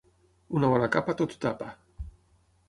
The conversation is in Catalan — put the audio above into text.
Una bona capa tot ho tapa.